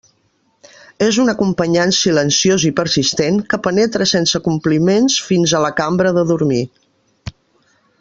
És un acompanyant silenciós i persistent que penetra sense compliments fins a la cambra de dormir.